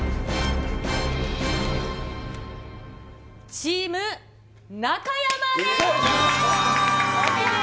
チーム中山です。